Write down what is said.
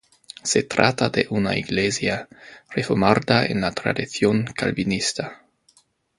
Se trata de una iglesia reformada en la tradición calvinista.